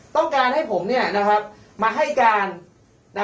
ต้องการให้ผมมาให้การว่าปกระเบิดที่มาปรึกษาผมไม่มีทีรุทธ์